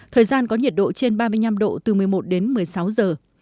thời gian có nhiệt độ trên ba mươi năm độ từ một mươi một đến một mươi sáu giờ